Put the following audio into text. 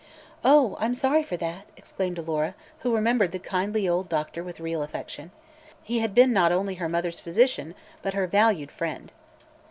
"Oh, I'm sorry for that!" exclaimed Alora, who remembered the kindly old doctor with real affection. He had been not only her mother's physician but her valued friend.